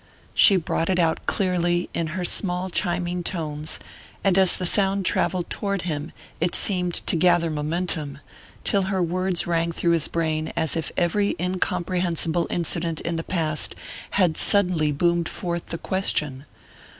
She brought it out clearly, in her small chiming tones; and as the sound travelled toward him it seemed to gather momentum, till her words rang through his brain as if every incomprehensible incident in the past had suddenly boomed forth the question.